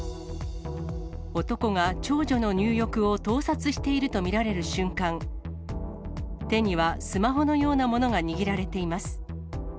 男が長女の入浴を盗撮していると見られる瞬間、手にはスマホのようなものが握られています。